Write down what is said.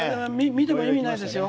見ても意味ないですよ。